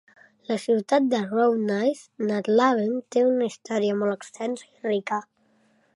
La ciutat de Roudnice nad Labem té una història molt extensa i rica.